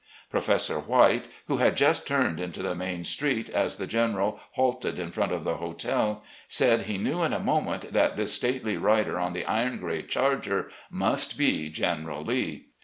Professor White, who had just turned into the main street as the General halted in front of the hotel, said he knew in a moment that this stately rider on the iron gray charger must be General Lee.